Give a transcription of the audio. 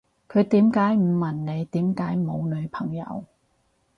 佢點解唔問你點解冇女朋友